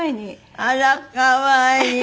あら可愛い。